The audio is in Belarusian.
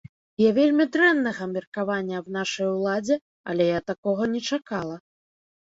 Я вельмі дрэннага меркавання аб нашай уладзе, але я такога не чакала.